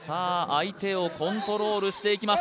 相手をコントロールしていきます